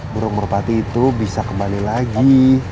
burung merpati itu bisa kembali lagi